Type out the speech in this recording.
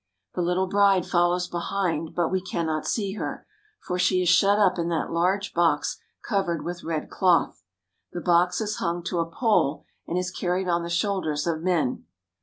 The little bride follows behind, but we cannot see her, for she is shut up in that large box covered with red cloth. The box is hung to a pole, and is carried on the shoulders of men.